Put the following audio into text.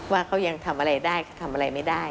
ว่าเขายังทำอะไรได้ทำอะไรไม่ได้